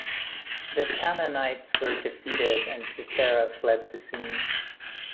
The Canaanites were defeated and Sisera fled the scene.